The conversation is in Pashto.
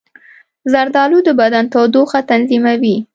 زردالو د بدن تودوخه تنظیموي.